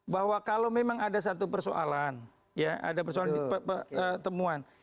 bahwa kalau memang ada satu persoalan ya ada persoalan temuan